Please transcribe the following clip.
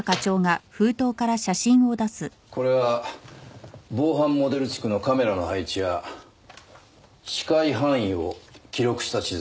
これは防犯モデル地区のカメラの配置や視界範囲を記録した地図です。